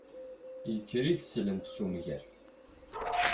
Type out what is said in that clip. Ikker i teslent s umger.